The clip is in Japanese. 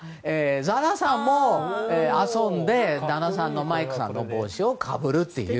ザラさんも遊んで旦那さんのマイクさんの帽子をかぶるという。